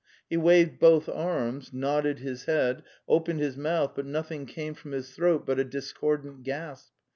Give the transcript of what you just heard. He waved both arms, nodded his head, opened his mouth, but nothing came from his throat but a dis cordant gasp.